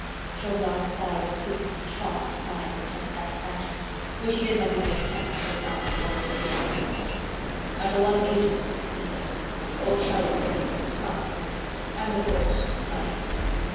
Chauvelin sighed a quick, sharp sigh of intense satisfaction, which he did not even attempt to disguise before Robespierre. "I shall want agents," he said, "or shall we say spies? and, of course, money."